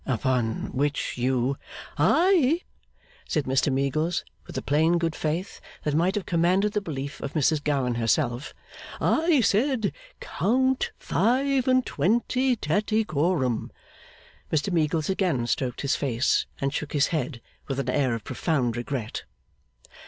'Upon which you ?' 'I?' said Mr Meagles, with a plain good faith that might have commanded the belief of Mrs Gowan herself. 'I said, count five and twenty, Tattycoram.' Mr Meagles again stroked his face and shook his head, with an air of profound regret.